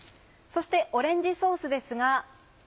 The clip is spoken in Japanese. そしてオレンジソースですが。